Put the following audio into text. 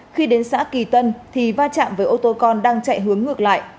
khi đến xã kỳ tân thì va chạm với ô tô con đang chạy hướng ngược lại